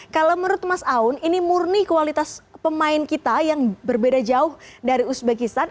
kalau menurut mas aun ini murni kualitas pemain kita yang berbeda jauh dari uzbekistan